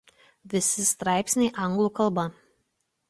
Visi straipsniai anglų kalba.